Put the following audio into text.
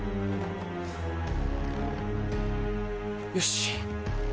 よし！